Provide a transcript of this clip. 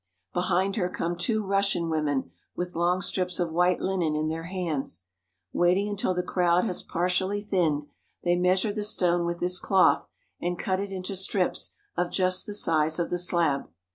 Behind her come two Russian women with long strips of white linen in their hands. Waiting until the crowd has par tially thinned, they measure the stone with this cloth, and cut it into strips of just the size of the slab.